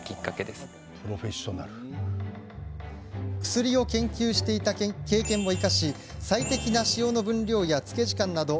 薬を研究していた経験を生かし最適な塩の分量や漬け時間など